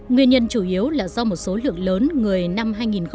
nguyên nhân chủ yếu là do một số lượng lớn người năm hai nghìn một mươi